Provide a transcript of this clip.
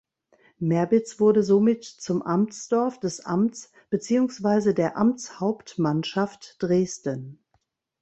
Merbitz wurde somit zum Amtsdorf des Amts beziehungsweise der Amtshauptmannschaft Dresden.